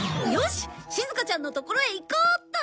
しずかちゃんのところへ行こうっと！